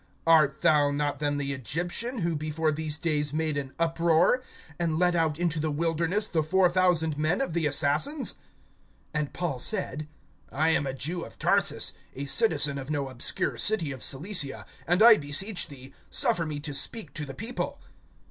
(38)Art thou not then the Egyptian, who before these days made an uproar, and led out into the wilderness the four thousand men of the assassins? (39)And Paul said: I am a Jew of Tarsus, a citizen of no obscure city of Cilicia; and I beseech thee, suffer me to speak to the people.